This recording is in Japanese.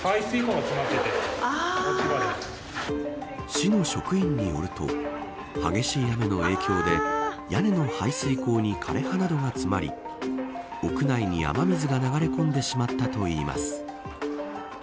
市の職員によると激しい雨の影響で屋根の排水溝に枯れ葉などが詰まり屋内に雨水が流れ込んでしまったといいます。